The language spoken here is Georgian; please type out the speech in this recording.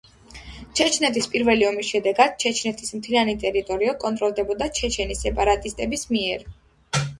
ჩეჩნეთის პირველი ომის შედეგად, ჩეჩნეთის მთლიანი ტერიტორია კონტროლდებოდა ჩეჩენი სეპარატისტების მიერ.